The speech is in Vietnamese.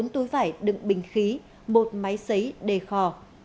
bốn túi vải đựng bình khí một máy xấy đề khò